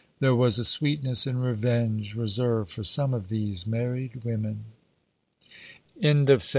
There was a sweetness in revenge reserved for some of these married women. ROBINSON CRUSOE.